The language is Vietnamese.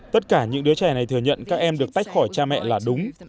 tất cả những đứa trẻ này thừa nhận các em được tách khỏi cha mẹ là đúng